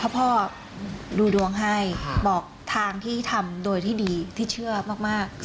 พ่อดูดวงให้บอกทางที่ทำโดยที่ดีที่เชื่อมาก